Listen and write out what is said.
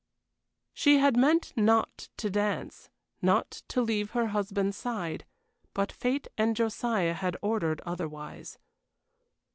She had meant not to dance not to leave her husband's side; but fate and Josiah had ordered otherwise.